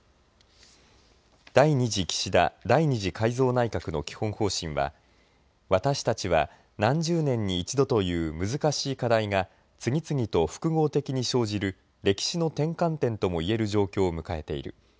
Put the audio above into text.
第２次岸田第２次改造内閣の基本方針は私たちは何十年に一度という難しい課題が次々と複合的に生じる歴史の転換点とも言える状況を迎えている。